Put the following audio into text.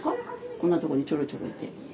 こんなとこにちょろちょろいて。